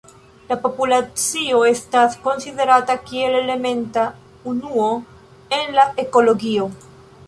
La populacio estas konsiderata kiel elementa unuo en la ekologio.